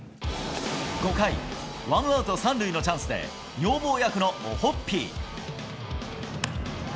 ５回、ワンアウト３塁のチャンスで、女房役のオホッピー。